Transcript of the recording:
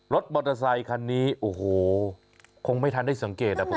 รถมอเตอร์ไซคันนี้โอ้โหคงไม่ทันได้สังเกตนะผม